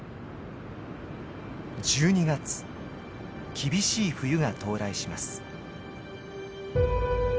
厳しい冬が到来します。